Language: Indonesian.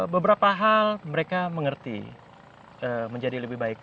beberapa hal mereka mengerti menjadi lebih baik